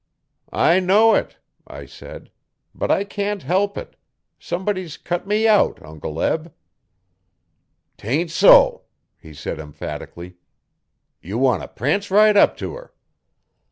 'I know it' I said' 'but I can't help it. Somebody's cut me out Uncle Eb.' ''Tain't so,' said he emphatically. 'Ye want t' prance right up t' her.'